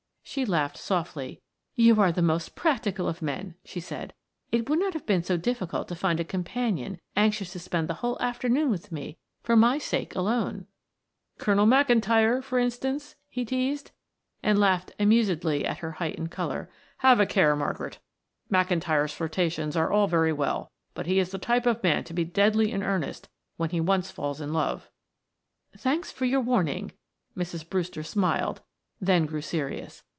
She laughed softly. "You are the most practical of men," she said. "It would not have been so difficult to find a companion anxious to spend the whole afternoon with me for my sake alone." "Colonel McIntyre, for instance?" he teased, and laughed amusedly at her heightened color. "Have a care, Margaret; McIntyre's flirtations are all very well, but he is the type of man to be deadly in earnest when once he falls in love." "Thanks for your warning," Mrs. Brewster smiled, then grew serious.